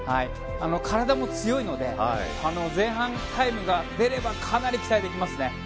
体も強いので前半タイムが出ればかなり期待できますね。